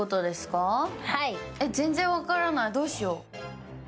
全然分からない、どうしよ。